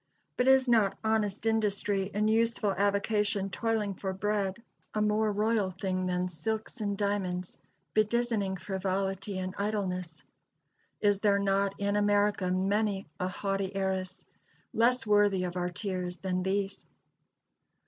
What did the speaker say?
But is not honest industry in useful avocation toiling for bread a more royal thing than silks and diamonds, bedizzening frivolity and idleness? Is there not in America many a haughty heiress, less worthy of our tears, than these?